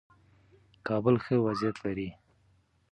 کابل ښه وضعیت لري.